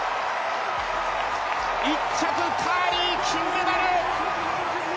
１着、カーリー、金メダル。